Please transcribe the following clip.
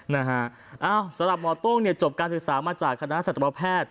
สำหรับหมอโต้งจบการศึกษามาจากศาสตรารกรมแพทย์